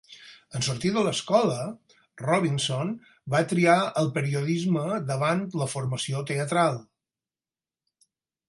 En sortir de l'escola, Robinson va triar el periodisme davant la formació teatral.